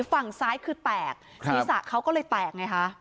ฝั่งซ้ายคือแตกศีรษะเขาก็เลยแตกไงคะ